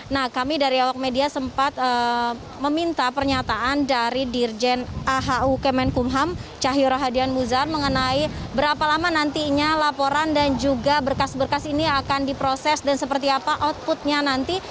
nah kami dari awak media sempat meminta pernyataan dari dirjen ahu kemenkumham cahyorahadian muzar mengenai berapa lama nantinya laporan dan juga berkas berkas ini akan diproses dan seperti apa outputnya nanti